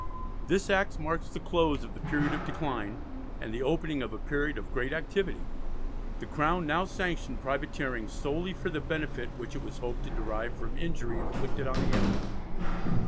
This Act marks the close of the period of decline, and the opening of a period of great activity. The Crown now sanctioned privateering solely for the benefit which it was hoped to derive from injury inflicted on the enemy.